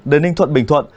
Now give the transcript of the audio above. đến ninh thuận bình thuận